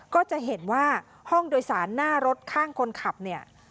ก็จะเห็นว่าห้องโดยสารหน้ารถข้างคนขับเนี่ย